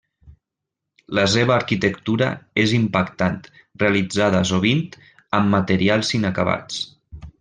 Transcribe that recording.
La seva arquitectura és impactant, realitzada sovint amb materials inacabats.